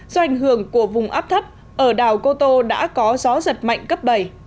do ảnh hưởng của vùng áp thấp ở đảo cô tô đã có gió giật mạnh cấp bảy